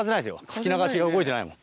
吹き流しが動いてないもん。